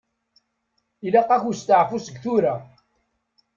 Ilaq-ak usteɛfu seg tura.